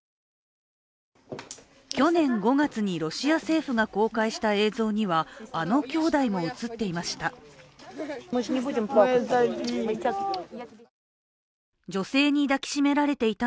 去年５月にロシア政府が公開した映像にはあのきょうだいも映っていました。